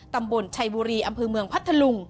ตำบลชัยบุรีอำเภอเมืองพัทธลุง